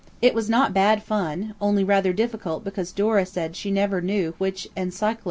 It was not bad fun, only rather difficult because Dora said she never knew which Encyclo.